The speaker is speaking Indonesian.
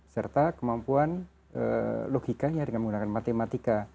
serta kemampuan logikanya dengan menggunakan matematika